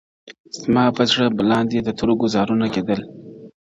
زما پۀ زړۀ بلاندي د تورو ګزارونه كېدل,